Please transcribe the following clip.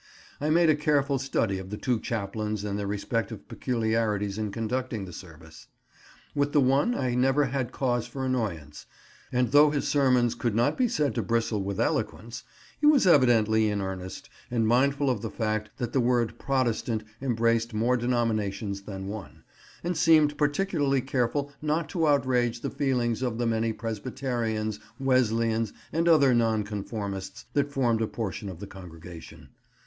I made a careful study of the two chaplains and their respective peculiarities in conducting the service. With the one I never had cause for annoyance, and though his sermons could not be said to bristle with eloquence, he was evidently in earnest, and mindful of the fact that the word Protestant embraced more denominations than one, and seemed particularly careful not to outrage the feelings of the many Presbyterians, Wesleyans, and other Nonconformists that formed a portion of the congregation.